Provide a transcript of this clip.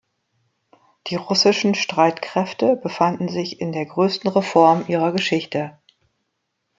Die Russischen Streitkräfte befanden sich in der größten Reform ihrer Geschichte.